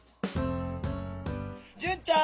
淳ちゃん。